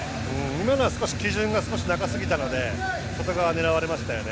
今のは少し基準が中すぎたのでそこから狙われましたよね。